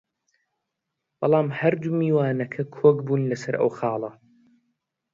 بەڵام هەردوو میوانەکە کۆک بوون لەسەر ئەو خاڵە